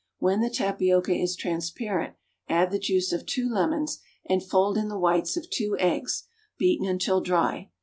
When the tapioca is transparent, add the juice of two lemons, and fold in the whites of two eggs, beaten until dry.